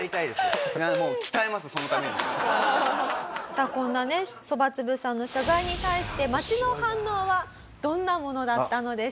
さあこんなねそばつぶさんの謝罪に対して町の反応はどんなものだったのでしょうか？